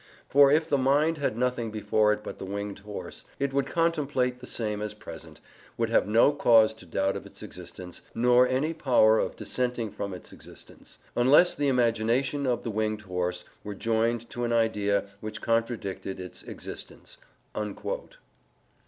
For if the mind had nothing before it but the winged horse, it would contemplate the same as present, would have no cause to doubt of its existence, nor any power of dissenting from its existence, unless the imagination of the winged horse were joined to an idea which contradicted [tollit] its existence" ("Ethics," vol. ii, p. 49, Scholium).